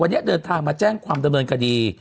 วันนี้เดินทางมาแจ้งความดำเนินคดี